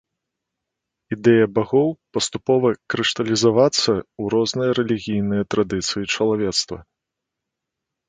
Ідэя багоў паступова крышталізавацца ў розныя рэлігійныя традыцыі чалавецтва.